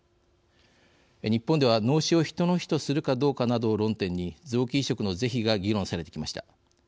日本では、脳死を人の死とするかどうかなどを論点に、臓器移植の是非が論議されてきました。